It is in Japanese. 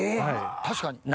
確かに。